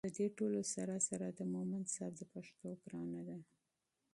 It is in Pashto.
له دې ټولو سره سره د مومند صیب د پښتو ګرانه ده